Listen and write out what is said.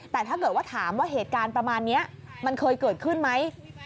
แต่ถ้าเกิดว่าถามว่าเหตุการณ์ประมาณนี้มันเคยเกิดขึ้นไหม